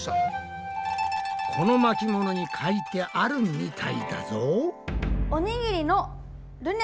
この巻物に書いてあるみたいだぞ。